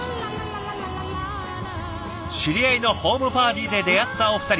知り合いのホームパーティーで出会ったお二人。